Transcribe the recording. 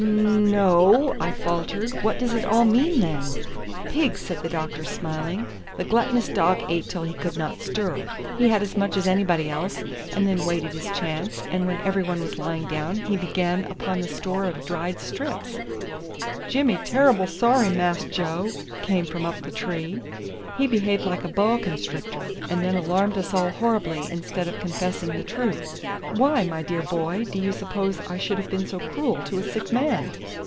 "N no," I faltered. "What does it all mean, then?" "Pig!" said the doctor, smiling; "the gluttonous dog ate till he could not stir. He had as much as anybody else, and then waited his chance, and when every one was lying down he began upon the store of dried strips." "Jimmy terribull sorry, Mass Joe," came from up the tree. "He behaved like a boa constrictor, and then alarmed us all horribly instead of confessing the truth. Why, my dear boy, do you suppose I should have been so cruel to a sick man?"